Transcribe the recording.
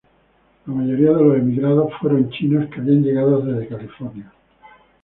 La mayoría de los emigrados fueron los chinos que habían llegado desde California.